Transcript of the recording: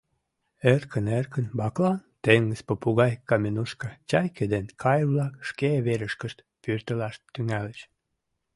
Эркын-эркын баклан, теҥыз попугай, каменушка, чайке ден кайр-влак шке верышкышт пӧртылаш тӱҥальыч.